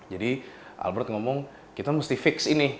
jadi albert ngomong kita mesti fix ini